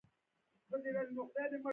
حکومت د ټولو ځمکو رسمي مالک ګڼل کېده.